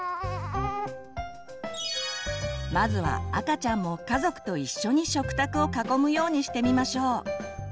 まずは赤ちゃんも家族と一緒に食卓を囲むようにしてみましょう。